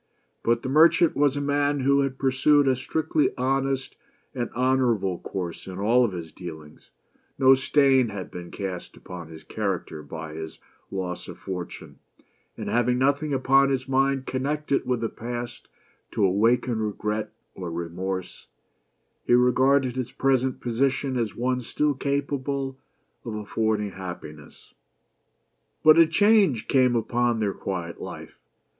But the merchant was a man who had pursued a strictly honest and honorable course in all his dealings ; no stain had been cast upon his character by his loss of fortune, and having nothing upon his mind connected with the past to awaken regret or remorse, he regarded his present position as one still capable ot affording happiness. But a change came upon their quiet life.